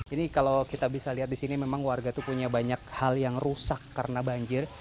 ini kalau kita bisa lihat di sini memang warga itu punya banyak hal yang rusak karena banjir